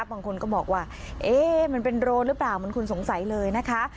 บางคนก็บอกว่าเอ๊ะมันเป็นโรนหรือเปล่ามันควรสงสัยเลยนะคะ